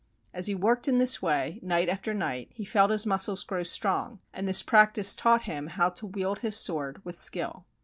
As he worked in this way night after night, he felt his muscles grow strong, and this practice taught him how to wield his sword with skill.